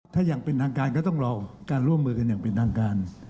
ถ้าอย่างเป็นทางการก็ต้องรอการร่วมมือกันอย่างเป็นทางการ